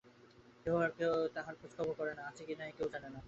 কেহ আব তাহার খোঁজখবব করে না, আছে কি নাই, কেহ জানে না।